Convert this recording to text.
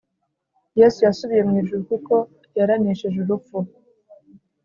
Yesu yasubiye mw ijuru, Kuko yar' aneshej' urupfu.